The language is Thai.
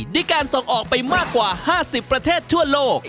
ด้วยการส่งออกไปมากกว่า๕๐ประเทศทั่วโลก